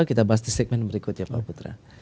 kita bahas di segmen berikutnya pak putra